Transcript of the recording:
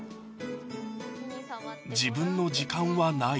自分の時間はない